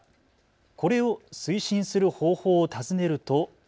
これを推進する方法を尋ねると。